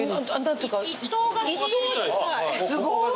すごい！